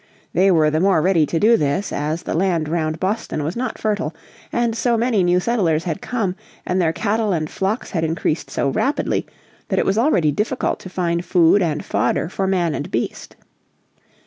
They were the more ready to do this, as the land round Boston was not fertile, and so many new settlers had come, and their cattle and flocks had increased so rapidly, that it was already difficult to find food and fodder for man and beast.